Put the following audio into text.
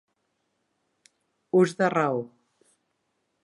Ús de raó.